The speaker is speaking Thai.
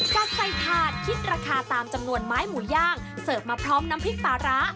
ใส่ถาดคิดราคาตามจำนวนไม้หมูย่างเสิร์ฟมาพร้อมน้ำพริกปลาร้า